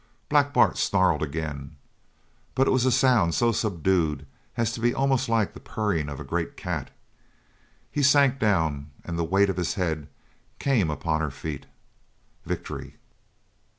Black Bart snarled again, but it was a sound so subdued as to be almost like the purring of a great cat. He sank down, and the weight of his head came upon her feet. Victory!